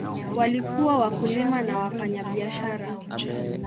Walikuwa wakulima na wafanyabiashara.